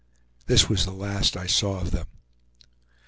This was the last I saw of them.